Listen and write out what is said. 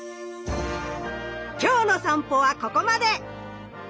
今日の散歩はここまで！